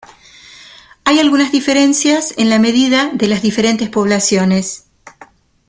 Hay algunas diferencias en la medida de las diferentes poblaciones.